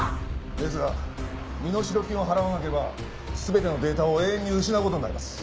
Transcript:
ですが身代金を払わなければ全てのデータを永遠に失う事になります。